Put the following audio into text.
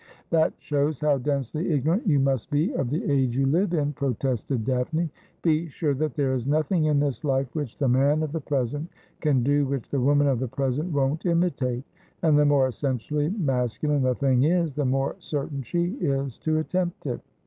' That shows how densely ignorant you must be of the age you live in,' protested Daphne. ' Be sure that there is nothing in this life which the man of the present can do which the woman of the present won't imitate ; and the more essentially masculine the thing is the more certain she is to attempt it.'